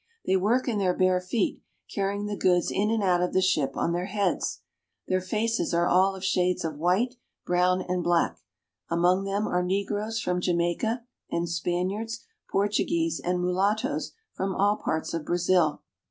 They work in their bare feet, carrying the Wharves at Para. goods in and out of the ship on their heads. Their faces are of all shades of white, brown, and black. Among them are negroes from Jamaica, and Spaniards, Portu guese, and mulattoes from all parts of Brazil.